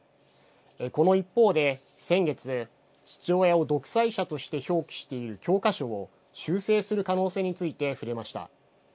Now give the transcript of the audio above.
この一方で先月父親を独裁者として表記している教科書を修正する可能性について触れました。